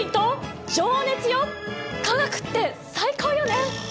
化学って最高よね！